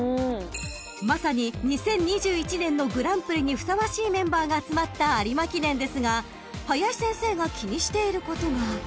［まさに２０２１年のグランプリにふさわしいメンバーが集まった有馬記念ですが林先生が気にしていることが］